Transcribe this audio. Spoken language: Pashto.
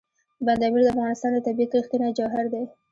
بند امیر د افغانستان د طبیعت رښتینی جوهر دی.